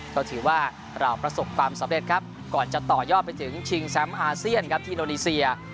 ก็ถือว่าเราประสบความสำเร็จครับก่อนจะต่อยอดไปถึงที่โนนีเซีย